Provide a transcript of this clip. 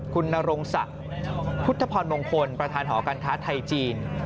คุณนรงศักดิ์พุทธพรมงคลประธานหอการค้าไทยจีน